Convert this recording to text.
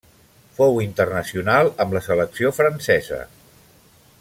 Fou internacional amb la selecció francesa.